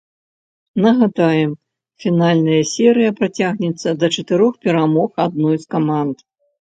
Нагадаем, фінальная серыя працягнецца да чатырох перамог адной з каманд.